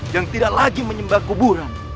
yang tidak lagi menyembah kuburan